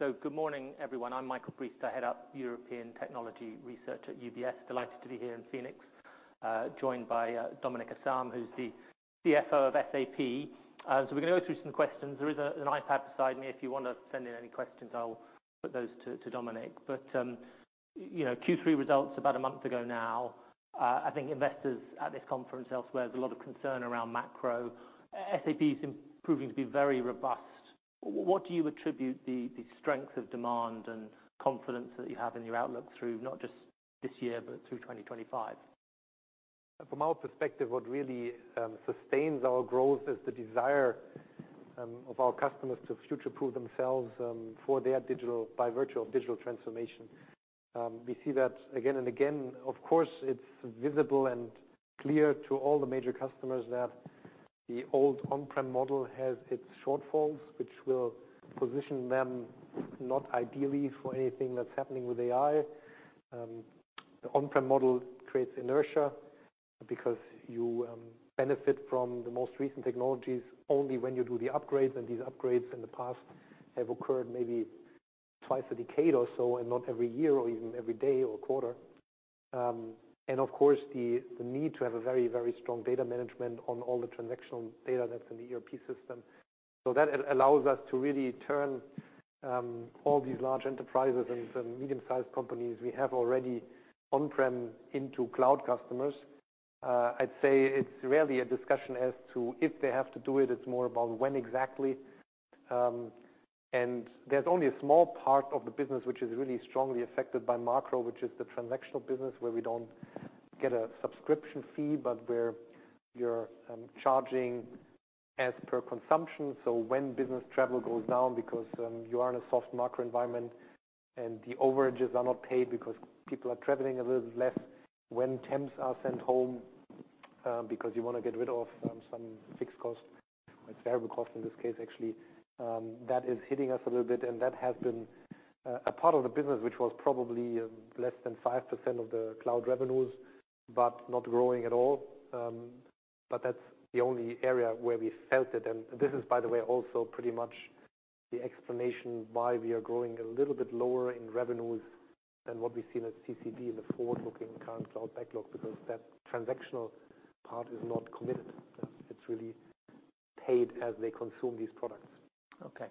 So good morning, everyone. I'm Michael Briest, the head of European Technology Research at UBS. Delighted to be here in Phoenix, joined by Dominik Asam, who's the CFO of SAP. So we're going to go through some questions. There is an iPad beside me. If you want to send in any questions, I'll put those to Dominik. But Q3 results about a month ago now. I think investors at this conference, elsewhere, there's a lot of concern around macro. SAP's proving to be very robust. What do you attribute the strength of demand and confidence that you have in your outlook through not just this year, but through 2025? From our perspective, what really sustains our growth is the desire of our customers to future-proof themselves by virtue of digital transformation. We see that again and again. Of course, it's visible and clear to all the major customers that the old on-prem model has its shortfalls, which will position them not ideally for anything that's happening with AI. The on-prem model creates inertia because you benefit from the most recent technologies only when you do the upgrades, and these upgrades in the past have occurred maybe twice a decade or so, and not every year, or even every day or quarter, and of course, the need to have a very, very strong data management on all the transactional data that's in the ERP system, so that allows us to really turn all these large enterprises and medium-sized companies we have already on-prem into cloud customers. I'd say it's rarely a discussion as to if they have to do it. It's more about when exactly, and there's only a small part of the business which is really strongly affected by macro, which is the transactional business where we don't get a subscription fee, but where you're charging as per consumption. So when business travel goes down because you are in a soft macro environment and the overages are not paid because people are traveling a little less, when temps are sent home because you want to get rid of some fixed cost, variable cost in this case, actually, that is hitting us a little bit, and that has been a part of the business, which was probably less than 5% of the cloud revenues, but not growing at all, but that's the only area where we felt it. And this is, by the way, also pretty much the explanation why we are growing a little bit lower in revenues than what we've seen at CCB in the forward-looking current cloud backlog, because that transactional part is not committed. It's really paid as they consume these products. Okay.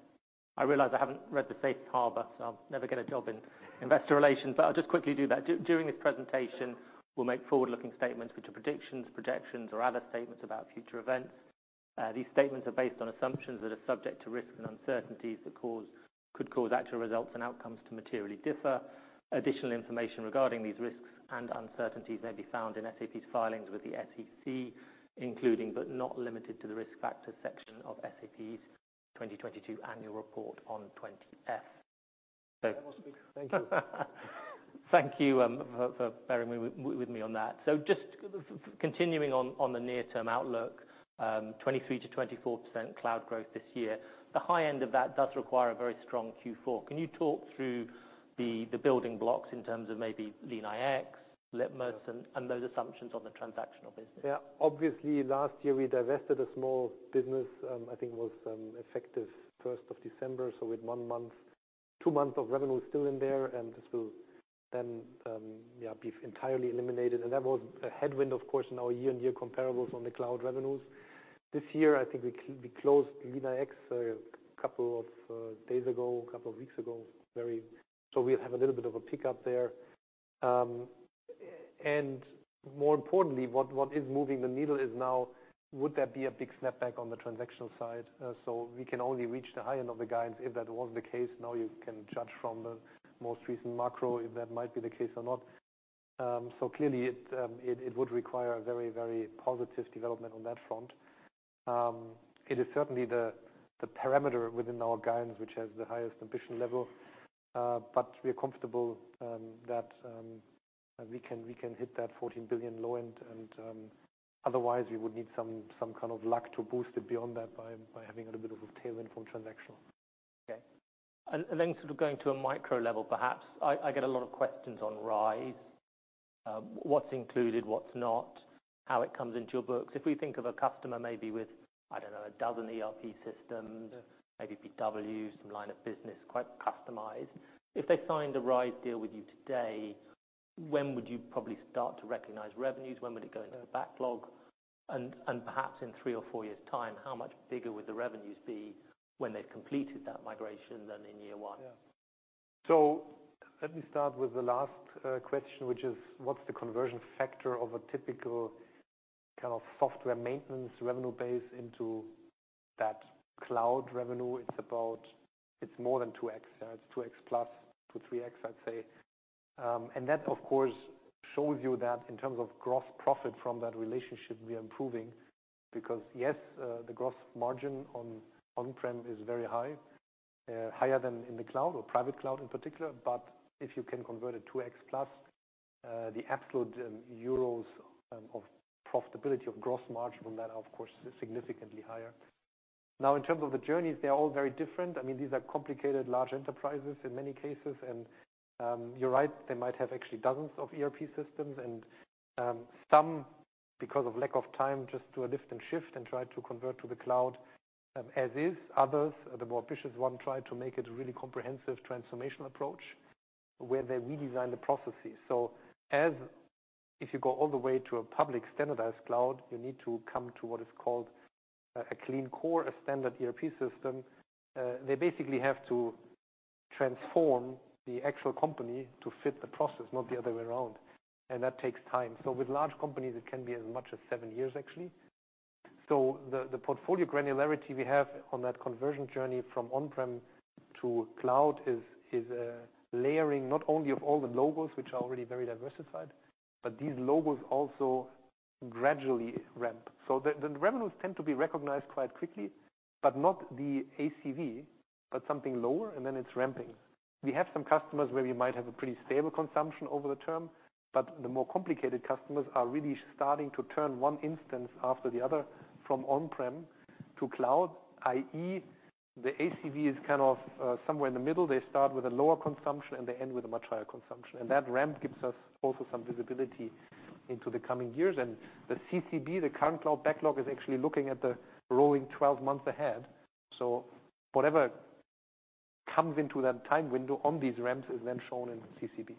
I realize I haven't read the SAP part, but I'll never get a job in investor relations. But I'll just quickly do that. During this presentation, we'll make forward-looking statements, which are predictions, projections, or other statements about future events. These statements are based on assumptions that are subject to risks and uncertainties that could cause actual results and outcomes to materially differ. Additional information regarding these risks and uncertainties may be found in SAP's filings with the SEC, including but not limited to the risk factors section of SAP's 2022 annual report on 20-F. That was me. Thank you. Thank you for bearing with me on that. So just continuing on the near-term outlook, 23%-24% cloud growth this year. The high end of that does require a very strong Q4. Can you talk through the building blocks in terms of maybe LeanIX, Litmos, and those assumptions on the transactional business? Yeah. Obviously, last year we divested a small business. I think it was effective 1st of December. So we had one month, two months of revenue still in there, and this will then be entirely eliminated. And that was a headwind, of course, in our year-on-year comparables on the cloud revenues. This year, I think we closed LeanIX a couple of days ago, a couple of weeks ago. So we have a little bit of a pickup there. And more importantly, what is moving the needle is now, would there be a big snapback on the transactional side? So we can only reach the high end of the guidance if that was the case. Now you can judge from the most recent macro if that might be the case or not. So clearly, it would require a very, very positive development on that front. It is certainly the parameter within our guidance, which has the highest ambition level, but we're comfortable that we can hit that 14 billion low end, and otherwise, we would need some kind of luck to boost it beyond that by having a little bit of a tailwind from transactional. Okay, and then sort of going to a micro level, perhaps, I get a lot of questions on RISE. What's included, what's not, how it comes into your books. If we think of a customer maybe with, I don't know, a dozen ERP systems, maybe BW, some line of business quite customized. If they signed a RISE deal with you today, when would you probably start to recognize revenues? When would it go into the backlog? And perhaps in three or four years' time, how much bigger would the revenues be when they've completed that migration than in year one? Yeah. So let me start with the last question, which is, what's the conversion factor of a typical kind of software maintenance revenue base into that cloud revenue? It's more than 2X. It's 2X plus, 2, 3X, I'd say. And that, of course, shows you that in terms of gross profit from that relationship, we are improving. Because yes, the gross margin on on-prem is very high, higher than in the cloud or private cloud in particular. But if you can convert it 2X plus, the absolute euros of profitability of gross margin from that are, of course, significantly higher. Now, in terms of the journeys, they're all very different. I mean, these are complicated large enterprises in many cases. And you're right, they might have actually dozens of ERP systems. And some, because of lack of time, just do a lift and shift and try to convert to the cloud as is. Others, the more ambitious ones, try to make it a really comprehensive transformational approach where they redesign the processes. So if you go all the way to a public standardized cloud, you need to come to what is called a clean core, a standard ERP system. They basically have to transform the actual company to fit the process, not the other way around. And that takes time. So with large companies, it can be as much as seven years, actually. So the portfolio granularity we have on that conversion journey from on-prem to cloud is a layering not only of all the logos, which are already very diversified, but these logos also gradually ramp. So the revenues tend to be recognized quite quickly, but not the ACV, but something lower, and then it's ramping. We have some customers where we might have a pretty stable consumption over the term, but the more complicated customers are really starting to turn one instance after the other from on-prem to cloud, i.e., the ACV is kind of somewhere in the middle. They start with a lower consumption, and they end with a much higher consumption. And that ramp gives us also some visibility into the coming years. And the CCB, the current cloud backlog, is actually looking at the rolling 12 months ahead. So whatever comes into that time window on these ramps is then shown in CCB.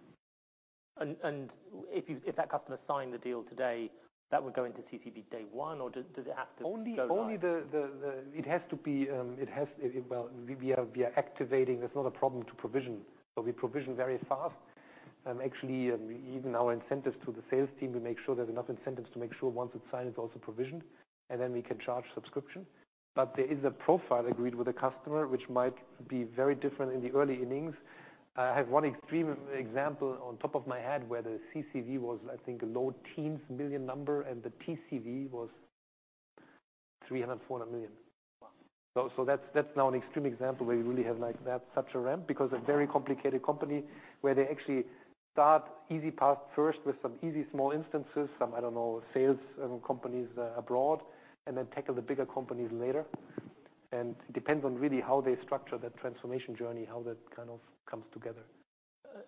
If that customer signed the deal today, that would go into CCB day one, or does it have to go? Only, it has to be. Well, we are activating. There's not a problem to provision. So we provision very fast. Actually, even our incentives to the sales team, we make sure there's enough incentives to make sure once it's signed, it's also provisioned, and then we can charge subscription. But there is a profile agreed with the customer, which might be very different in the early innings. I have one extreme example on top of my head where the CCB was, I think, a low-teens million number, and the TCV was 300-400 million. So that's now an extreme example where you really have such a ramp because a very complicated company where they actually start easy path first with some easy small instances, some, I don't know, sales companies abroad, and then tackle the bigger companies later. It depends on really how they structure that transformation journey, how that kind of comes together.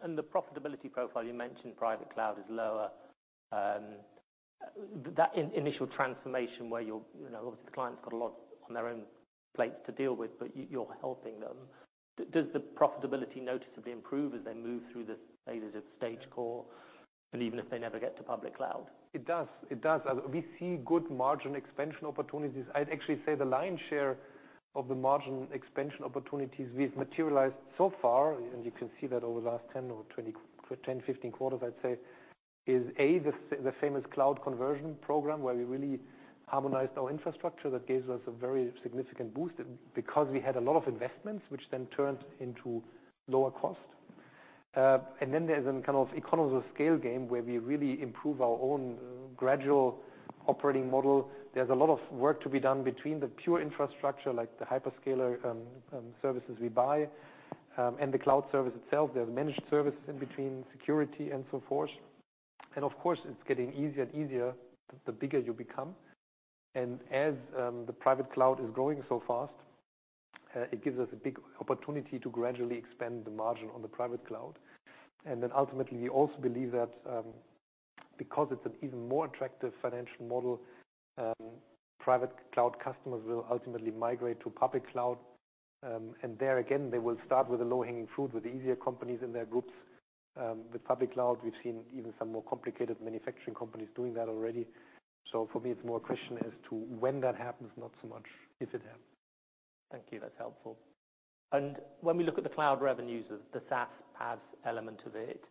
And the profitability profile you mentioned, private cloud is lower. That initial transformation where obviously the client's got a lot on their own plates to deal with, but you're helping them. Does the profitability noticeably improve as they move through the stages of clean core and even if they never get to public cloud? It does. It does. We see good margin expansion opportunities. I'd actually say the lion's share of the margin expansion opportunities we've materialized so far, and you can see that over the last 10 or 15 quarters, I'd say, is a, the famous cloud conversion program where we really harmonized our infrastructure that gives us a very significant boost because we had a lot of investments, which then turned into lower cost, and then there's a kind of economies of scale game where we really improve our own cloud operating model. There's a lot of work to be done between the pure infrastructure, like the hyperscaler services we buy, and the cloud service itself. There's managed services in between security and so forth, and of course, it's getting easier and easier the bigger you become. As the private cloud is growing so fast, it gives us a big opportunity to gradually expand the margin on the private cloud. And then ultimately, we also believe that because it's an even more attractive financial model, private cloud customers will ultimately migrate to public cloud. And there again, they will start with the low-hanging fruit, with the easier companies in their groups. With public cloud, we've seen even some more complicated manufacturing companies doing that already. So for me, it's more a question as to when that happens, not so much if it happens. Thank you. That's helpful. And when we look at the cloud revenues, the SaaS PaaS element of it,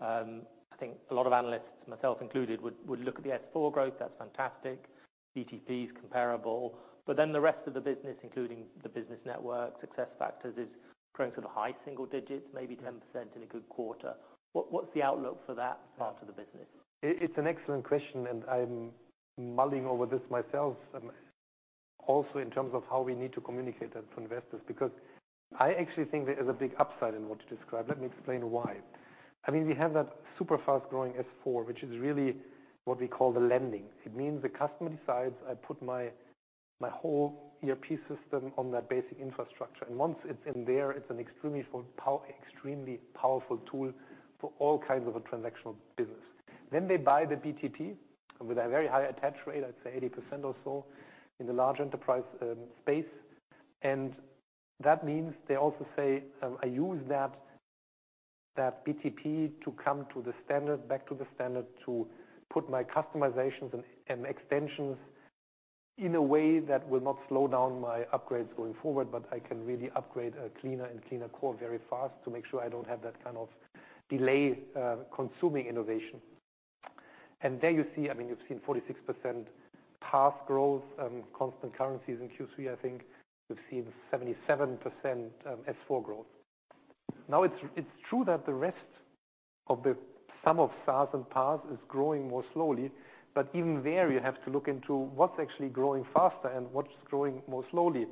I think a lot of analysts, myself included, would look at the S/4 growth. That's fantastic. BTP's comparable. But then the rest of the business, including the Business Network, SuccessFactors is growing to the high single digits, maybe 10% in a good quarter. What's the outlook for that part of the business? It's an excellent question, and I'm mulling over this myself also in terms of how we need to communicate that to investors. Because I actually think there is a big upside in what you described. Let me explain why. I mean, we have that super fast-growing S/4, which is really what we call Landing. It means the customer decides, "I put my whole ERP system on that basic infrastructure." And once it's in there, it's an extremely powerful tool for all kinds of a transactional business. Then they buy the BTP with a very high attach rate, I'd say 80% or so, in the large enterprise space. And that means they also say, "I use that BTP to come back to the standard to put my customizations and extensions in a way that will not slow down my upgrades going forward, but I can really upgrade a cleaner and cleaner core very fast to make sure I don't have that kind of delay-consuming innovation." And there you see, I mean, you've seen 46% PaaS growth, constant currencies in Q3, I think. We've seen 77% S/4 growth. Now, it's true that the rest of the sum of SaaS and PaaS is growing more slowly, but even there, you have to look into what's actually growing faster and what's growing more slowly.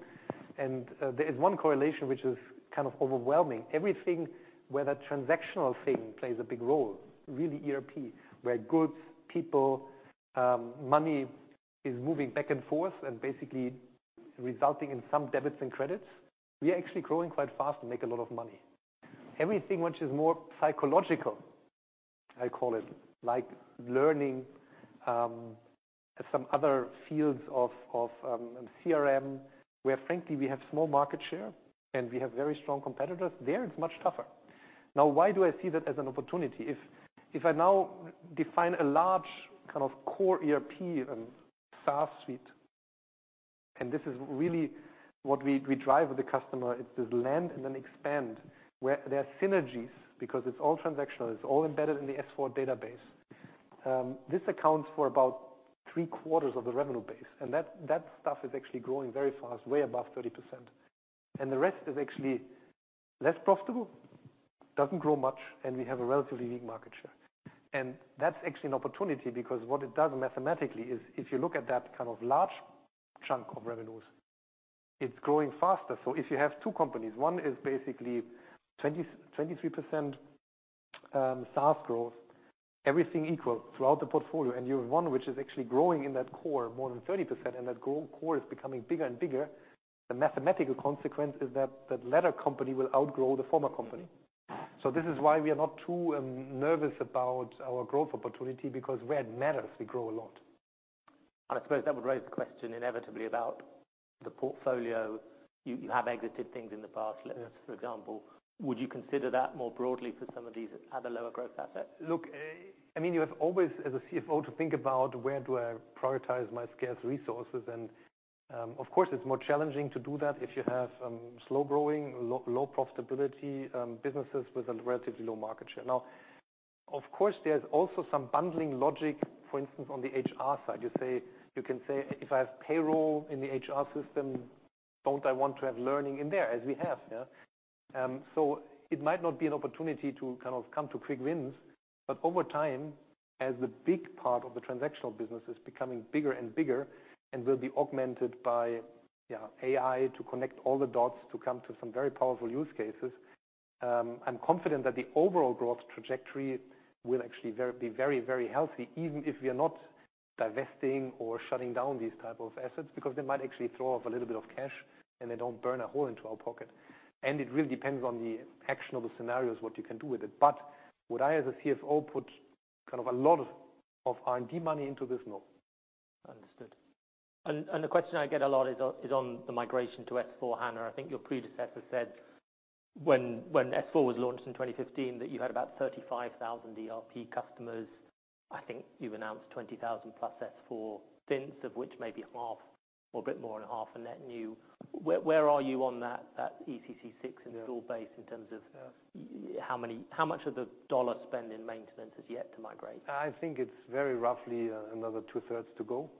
And there is one correlation which is kind of overwhelming. Everything, where that transactional thing plays a big role, really ERP, where goods, people, money is moving back and forth and basically resulting in some debits and credits, we are actually growing quite fast and make a lot of money. Everything which is more psychological, I call it, like learning some other fields of CRM, where, frankly, we have small market share and we have very strong competitors, there it's much tougher. Now, why do I see that as an opportunity? If I now define a large kind of core ERP and SaaS suite, and this is really what we drive with the customer, it's this land and then expand, where there are synergies because it's all transactional. It's all embedded in the S/4 database. This accounts for about three quarters of the revenue base. And that stuff is actually growing very fast, way above 30%. And the rest is actually less profitable, doesn't grow much, and we have a relatively weak market share. And that's actually an opportunity because what it does mathematically is if you look at that kind of large chunk of revenues, it's growing faster. So if you have two companies, one is basically 23% SaaS growth, everything equal throughout the portfolio, and you have one which is actually growing in that core more than 30%, and that core is becoming bigger and bigger, the mathematical consequence is that that latter company will outgrow the former company. So this is why we are not too nervous about our growth opportunity because where it matters, we grow a lot. I suppose that would raise the question inevitably about the portfolio. You have exited things in the past, for example. Would you consider that more broadly for some of these other lower-growth assets? Look, I mean, you have always, as a CFO, to think about where do I prioritize my scarce resources? And of course, it's more challenging to do that if you have slow-growing, low-profitability businesses with a relatively low market share. Now, of course, there's also some bundling logic, for instance, on the HR side. You can say, "If I have payroll in the HR system, don't I want to have learning in there?" As we have, yeah. So it might not be an opportunity to kind of come to quick wins. But over time, as the big part of the transactional business is becoming bigger and bigger and will be augmented by AI to connect all the dots to come to some very powerful use cases, I'm confident that the overall growth trajectory will actually be very, very healthy, even if we are not divesting or shutting down these types of assets because they might actually throw off a little bit of cash and they don't burn a hole into our pocket. And it really depends on the actionable scenarios, what you can do with it. But would I, as a CFO, put kind of a lot of R&D money into this? No. Understood. The question I get a lot is on the migration to S/4HANA. I think your predecessor said when S/4HANA was launched in 2015 that you had about 35,000 ERP customers. I think you announced 20,000 plus S/4HANA tenants, of which maybe half or a bit more than half are net new. Where are you on that ECC 6.0 installed base in terms of how much of the dollar spend in maintenance has yet to migrate? I think it's very roughly another two-thirds to go.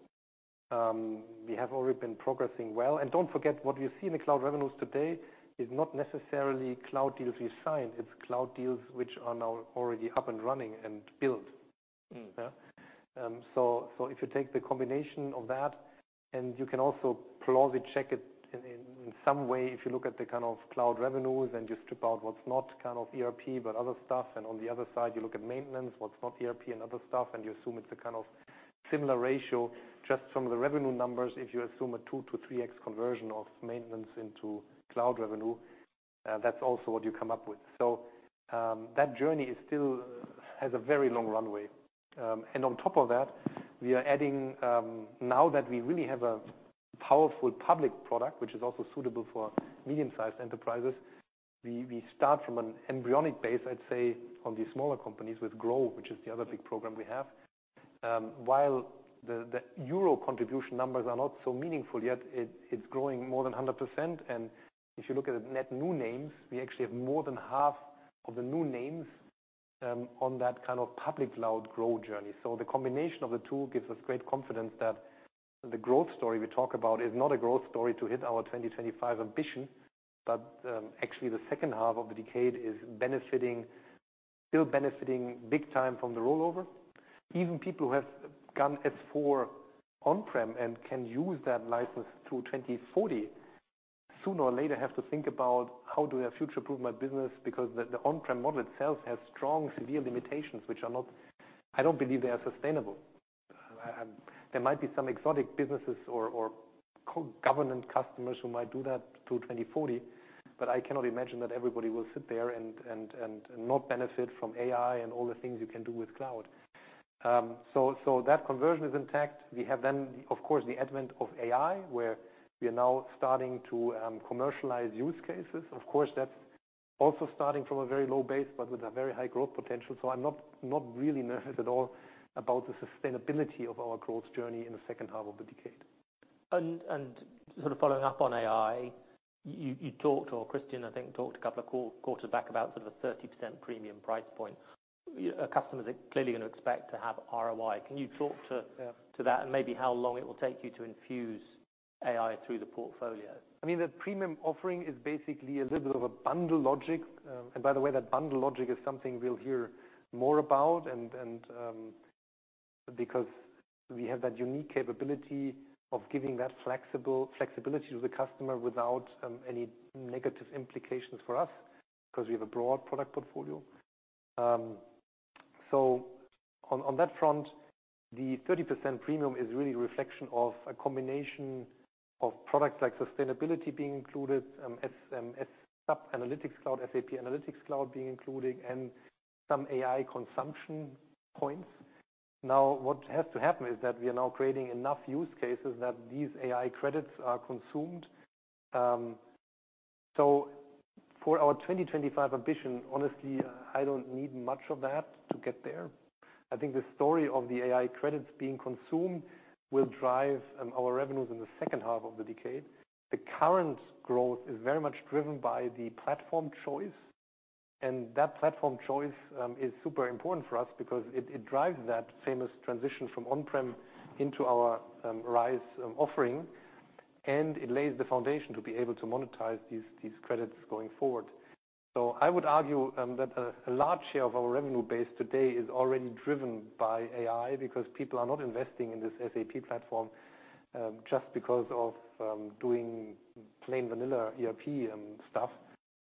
We have already been progressing well, and don't forget, what you see in the cloud revenues today is not necessarily cloud deals we signed. It's cloud deals which are now already up and running and built, so if you take the combination of that, and you can also plausibly check it in some way if you look at the kind of cloud revenues and you strip out what's not kind of ERP but other stuff, and on the other side, you look at maintenance, what's not ERP and other stuff, and you assume it's a kind of similar ratio. Just from the revenue numbers, if you assume a 2x to 3x conversion of maintenance into cloud revenue, that's also what you come up with, so that journey still has a very long runway. And on top of that, we are adding now that we really have a powerful public product, which is also suitable for medium-sized enterprises. We start from an embryonic base, I'd say, on these smaller companies with GROW, which is the other big program we have. While the Euro contribution numbers are not so meaningful yet, it's growing more than 100%. And if you look at the net new names, we actually have more than half of the new names on that kind of public cloud growth journey. So the combination of the two gives us great confidence that the growth story we talk about is not a growth story to hit our 2025 ambition, but actually the second half of the decade is still benefiting big time from the rollover. Even people who have gone S/4 on-prem and can use that license through 2040 sooner or later have to think about how do I future-proof my business because the on-prem model itself has strong, severe limitations which I don't believe they are sustainable. There might be some exotic businesses or government customers who might do that through 2040, but I cannot imagine that everybody will sit there and not benefit from AI and all the things you can do with cloud. So that conversion is intact. We have then, of course, the advent of AI, where we are now starting to commercialize use cases. Of course, that's also starting from a very low base but with a very high growth potential. So I'm not really nervous at all about the sustainability of our growth journey in the second half of the decade. Sort of following up on AI, you talked, or Christian, I think, talked a couple of quarters back about sort of a 30% premium price point. A customer is clearly going to expect to have ROI. Can you talk to that and maybe how long it will take you to infuse AI through the portfolio? I mean, the premium offering is basically a little bit of a bundle logic, and by the way, that bundle logic is something we'll hear more about because we have that unique capability of giving that flexibility to the customer without any negative implications for us because we have a broad product portfolio, so on that front, the 30% premium is really a reflection of a combination of products like sustainability being included, SAP Analytics Cloud, SAP Analytics Cloud being included, and some AI consumption points. Now, what has to happen is that we are now creating enough use cases that these AI credits are consumed, so for our 2025 ambition, honestly, I don't need much of that to get there. I think the story of the AI credits being consumed will drive our revenues in the second half of the decade. The current growth is very much driven by the platform choice. And that platform choice is super important for us because it drives that famous transition from on-prem into our RISE offering, and it lays the foundation to be able to monetize these credits going forward. So I would argue that a large share of our revenue base today is already driven by AI because people are not investing in this SAP platform just because of doing plain vanilla ERP stuff,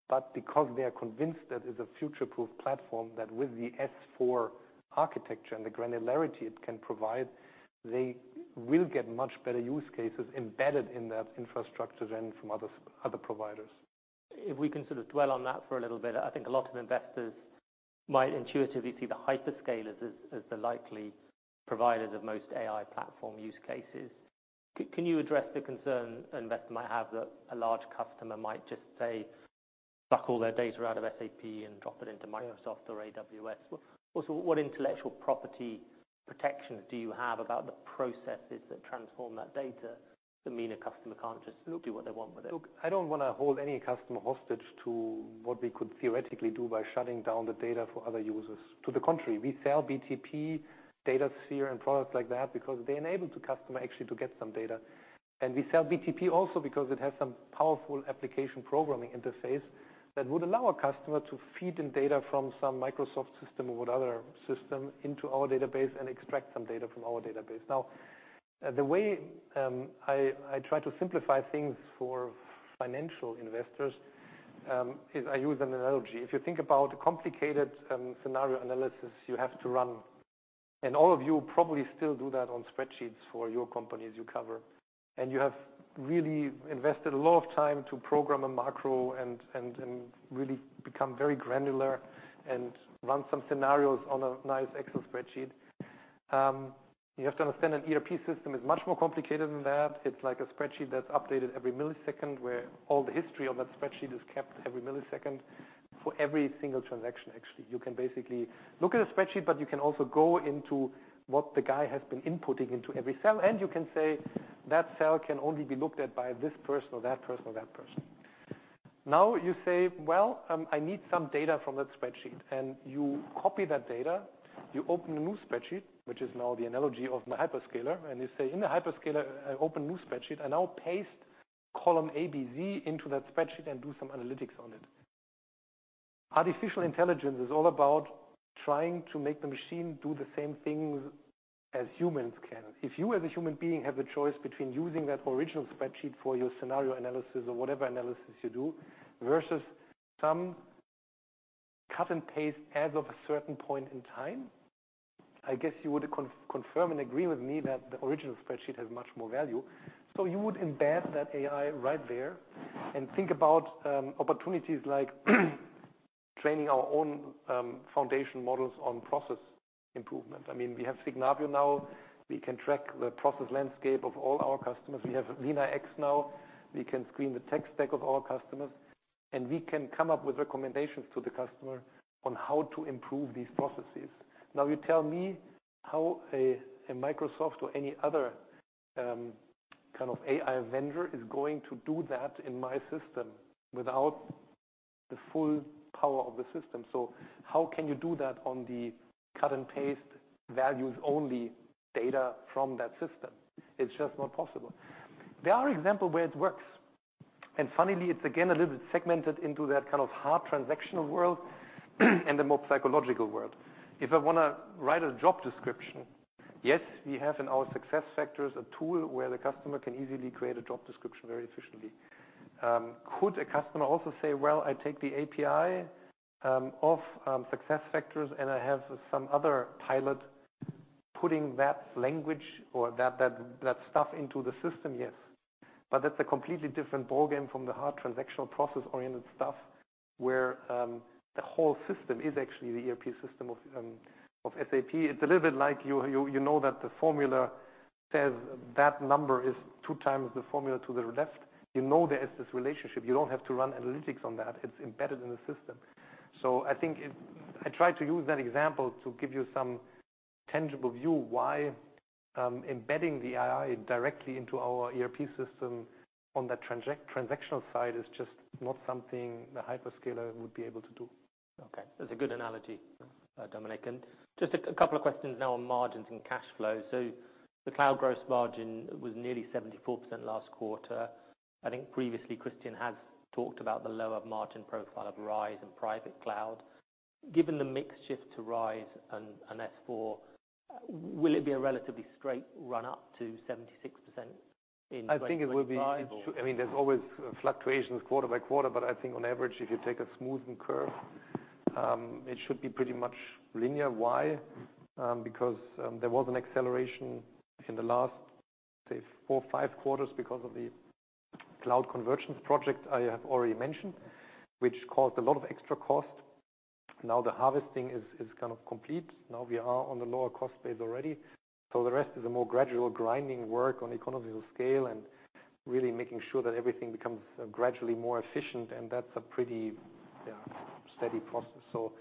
but because they are convinced that it's a future-proof platform that with the S/4 architecture and the granularity it can provide, they will get much better use cases embedded in that infrastructure than from other providers. If we can sort of dwell on that for a little bit, I think a lot of investors might intuitively see the hyperscalers as the likely providers of most AI platform use cases. Can you address the concern an investor might have that a large customer might just say, "Suck all their data out of SAP and drop it into Microsoft or AWS"? Also, what intellectual property protections do you have about the processes that transform that data that mean a customer can't just do what they want with it? Look, I don't want to hold any customer hostage to what we could theoretically do by shutting down the data for other users. To the contrary, we sell BTP, Datasphere, and products like that because they enable the customer actually to get some data. And we sell BTP also because it has some powerful application programming interface that would allow a customer to feed in data from some Microsoft system or whatever system into our database and extract some data from our database. Now, the way I try to simplify things for financial investors is I use an analogy. If you think about a complicated scenario analysis, you have to run. And all of you probably still do that on spreadsheets for your companies you cover. You have really invested a lot of time to program a macro and really become very granular and run some scenarios on a nice Excel spreadsheet. You have to understand an ERP system is much more complicated than that. It's like a spreadsheet that's updated every millisecond, where all the history of that spreadsheet is kept every millisecond for every single transaction, actually. You can basically look at a spreadsheet, but you can also go into what the guy has been inputting into every cell, and you can say, "That cell can only be looked at by this person or that person or that person." Now, you say, "Well, I need some data from that spreadsheet." And you copy that data, you open a new spreadsheet, which is now the analogy of my hyperscaler, and you say, "In the hyperscaler, I open a new spreadsheet. I now paste column A, B, C into that spreadsheet and do some analytics on it." Artificial intelligence is all about trying to make the machine do the same things as humans can. If you, as a human being, have the choice between using that original spreadsheet for your scenario analysis or whatever analysis you do versus some cut-and-paste as of a certain point in time, I guess you would confirm and agree with me that the original spreadsheet has much more value. So you would embed that AI right there and think about opportunities like training our own foundation models on process improvement. I mean, we have Signavio now. We can track the process landscape of all our customers. We have LeanIX now. We can screen the tech stack of our customers. And we can come up with recommendations to the customer on how to improve these processes. Now, you tell me how a Microsoft or any other kind of AI vendor is going to do that in my system without the full power of the system. So how can you do that on the cut-and-paste values-only data from that system? It's just not possible. There are examples where it works. And finally, it's again a little bit segmented into that kind of hard transactional world and the more psychological world. If I want to write a job description, yes, we have in our SuccessFactors a tool where the customer can easily create a job description very efficiently. Could a customer also say, "Well, I take the API of SuccessFactors, and I have some other pilot putting that language or that stuff into the system?" Yes. But that's a completely different ballgame from the hard transactional process-oriented stuff, where the whole system is actually the ERP system of SAP. It's a little bit like you know that the formula says that number is two times the formula to the left. You know there is this relationship. You don't have to run analytics on that. It's embedded in the system. So I think I tried to use that example to give you some tangible view why embedding the AI directly into our ERP system on the transactional side is just not something the hyperscaler would be able to do. Okay. That's a good analogy, Dominik. And just a couple of questions now on margins and cash flow. So the cloud gross margin was nearly 74% last quarter. I think previously, Christian has talked about the lower margin profile of RISE and private cloud. Given the mix shift to RISE and S/4, will it be a relatively straight run-up to 76% in 2025? I think it will be. I mean, there's always fluctuations quarter by quarter, but I think on average, if you take a smoothed curve, it should be pretty much linear. Why? Because there was an acceleration in the last, say, four or five quarters because of the cloud conversion project I have already mentioned, which caused a lot of extra cost. Now, the harvesting is kind of complete. Now, we are on the lower cost base already. So the rest is a more gradual grinding work on economies of scale and really making sure that everything becomes gradually more efficient. And that's a pretty steady process. So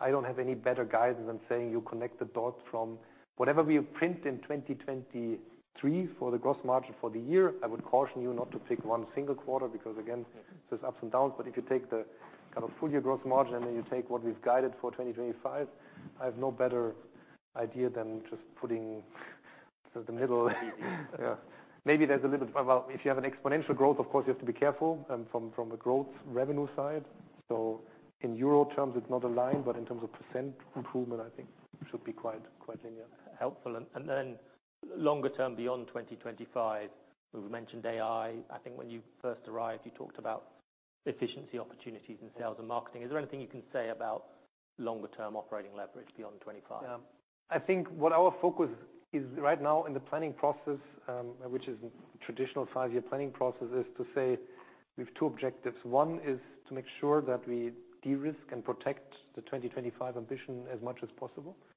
I don't have any better guidance than saying you connect the dots from whatever we print in 2023 for the gross margin for the year. I would caution you not to pick one single quarter because, again, there's ups and downs. But if you take the kind of full year gross margin and then you take what we've guided for 2025, I have no better idea than just putting the middle. Maybe there's a little bit. Well, if you have an exponential growth, of course, you have to be careful from a growth revenue side. So in euro terms, it's not aligned, but in terms of percent improvement, I think it should be quite linear. Helpful. And then longer term beyond 2025, you've mentioned AI. I think when you first arrived, you talked about efficiency opportunities in sales and marketing. Is there anything you can say about longer term operating leverage beyond 2025? Yeah. I think what our focus is right now in the planning process, which is a traditional five-year planning process, is to say we have two objectives. One is to make sure that we de-risk and protect the 2025 ambition as much as possible. So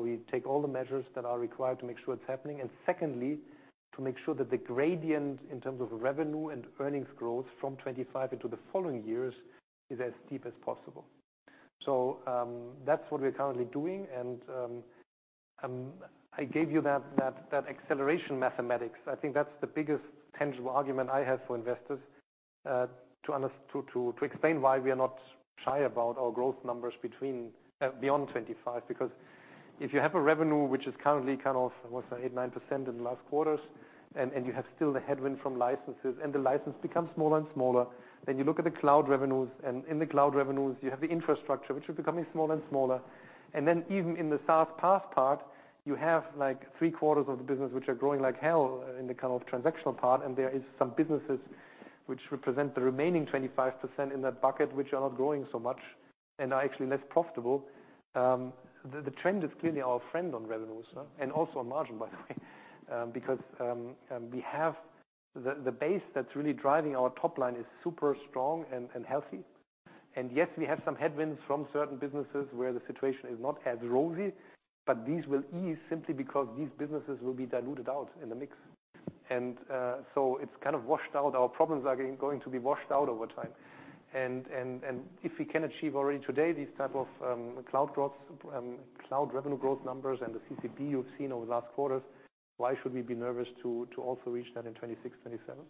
we take all the measures that are required to make sure it's happening. And secondly, to make sure that the gradient in terms of revenue and earnings growth from 2025 into the following years is as steep as possible. So that's what we're currently doing. And I gave you that acceleration mathematics. I think that's the biggest tangible argument I have for investors to explain why we are not shy about our growth numbers beyond 2025. Because if you have a revenue which is currently kind of, what's that, 8%-9% in the last quarters, and you have still the headwind from licenses, and the license becomes smaller and smaller, then you look at the cloud revenues. And in the cloud revenues, you have the infrastructure, which is becoming smaller and smaller. And then even in the SaaS PaaS part, you have like three quarters of the business which are growing like hell in the kind of transactional part. And there are some businesses which represent the remaining 25% in that bucket which are not growing so much and are actually less profitable. The trend is clearly our friend on revenues and also on margin, by the way, because we have the base that's really driving our top line is super strong and healthy. And yes, we have some headwinds from certain businesses where the situation is not as rosy, but these will ease simply because these businesses will be diluted out in the mix. And so it's kind of washed out. Our problems are going to be washed out over time. And if we can achieve already today these type of cloud revenue growth numbers and the CCB you've seen over the last quarters, why should we be nervous to also reach that in 2026, 2027?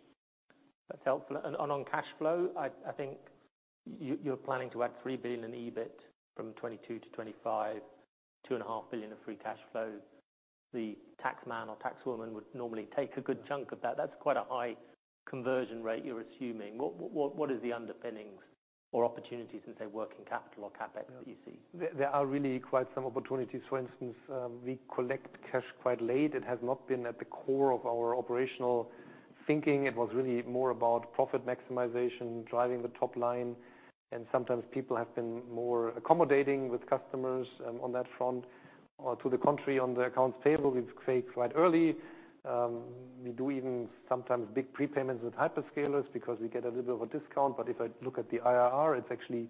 That's helpful. And on cash flow, I think you're planning to add 3 billion in EBIT from 2022 to 2025, 2.5 billion of free cash flow. The taxman or taxwoman would normally take a good chunk of that. That's quite a high conversion rate you're assuming. What are the underpinnings or opportunities, say, working capital or CapEx that you see? There are really quite some opportunities. For instance, we collect cash quite late. It has not been at the core of our operational thinking. It was really more about profit maximization, driving the top line, and sometimes people have been more accommodating with customers on that front. To the contrary, on the accounts payable, we pay quite early. We do even sometimes big prepayments with hyperscalers because we get a little bit of a discount. But if I look at the IRR, it's actually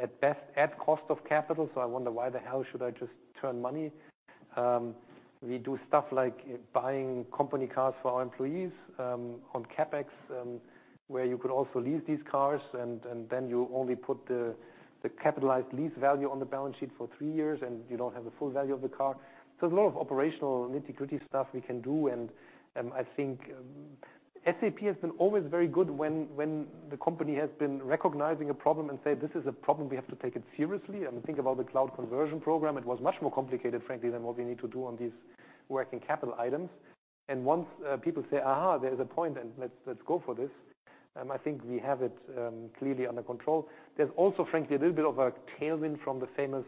at best at cost of capital. So I wonder why the hell should I just burn money. We do stuff like buying company cars for our employees on CapEx, where you could also lease these cars, and then you only put the capitalized lease value on the balance sheet for three years, and you don't have the full value of the car. So there's a lot of operational nitty-gritty stuff we can do. And I think SAP has been always very good when the company has been recognizing a problem and say, "This is a problem. We have to take it seriously." And think about the Cloud Conversion Program. It was much more complicated, frankly, than what we need to do on these working capital items. And once people say, "Aha, there is a point," and let's go for this, I think we have it clearly under control. There's also, frankly, a little bit of a tailwind from the famous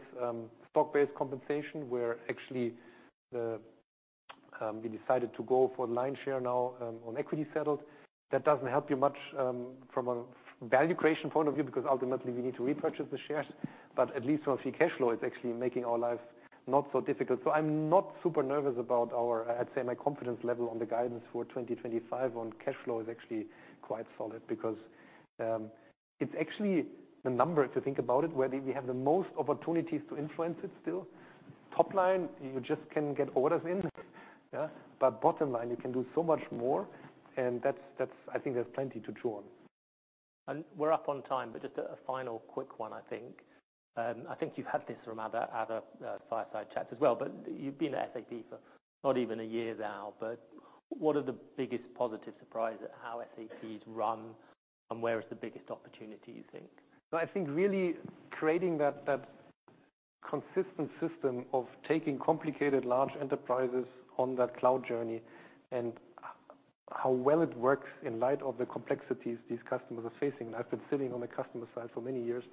stock-based compensation, where actually we decided to go for the lion's share now on equity settled. That doesn't help you much from a value creation point of view because ultimately we need to repurchase the shares. But at least from a free cash flow, it's actually making our life not so difficult. So, I'm not super nervous about our. I'd say, my confidence level on the guidance for 2025 on cash flow is actually quite solid because it's actually the number, if you think about it, where we have the most opportunities to influence it still. Top line, you just can get orders in. But bottom line, you can do so much more. And I think there's plenty to chew on. We're up on time, but just a final quick one, I think. I think you've had this from other fireside chats as well, but you've been at SAP for not even a year now. What are the biggest positive surprises at how SAP's run and where is the biggest opportunity, you think? I think, really, creating that consistent system of taking complicated large enterprises on that cloud journey and how well it works in light of the complexities these customers are facing. And I've been sitting on the customer side for many years,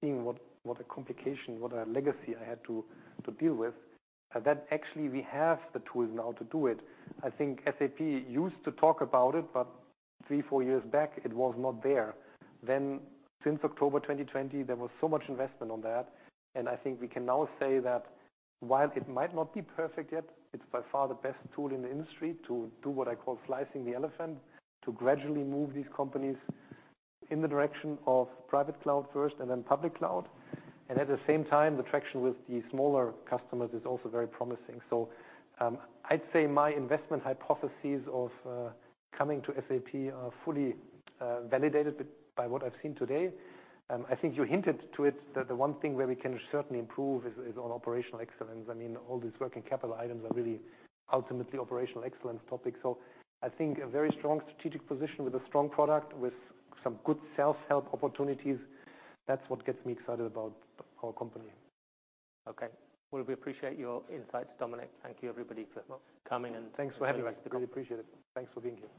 seeing what a complication, what a legacy I had to deal with. That actually we have the tools now to do it. I think SAP used to talk about it, but three, four years back, it was not there. Then since October 2020, there was so much investment on that. And I think we can now say that while it might not be perfect yet, it's by far the best tool in the industry to do what I call slicing the elephant, to gradually move these companies in the direction of private cloud first and then public cloud. And at the same time, the traction with the smaller customers is also very promising. So I'd say my investment hypotheses of coming to SAP are fully validated by what I've seen today. I think you hinted to it that the one thing where we can certainly improve is on operational excellence. I mean, all these working capital items are really ultimately operational excellence topics. So I think a very strong strategic position with a strong product with some good self-help opportunities, that's what gets me excited about our company. Okay. Well, we appreciate your insights, Dominik. Thank you, everybody, for coming and. Thanks for having us. Really appreciate it. Thanks for being here.